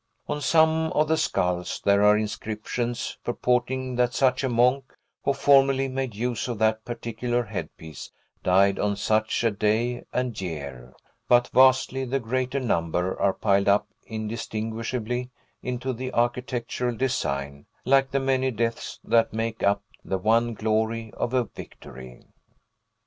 On some of the skulls there are inscriptions, purporting that such a monk, who formerly made use of that particular headpiece, died on such a day and year; but vastly the greater number are piled up indistinguishably into the architectural design, like the many deaths that make up the one glory of a victory.